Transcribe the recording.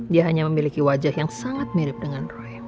dia hanya memiliki wajah yang sangat mirip dengan royal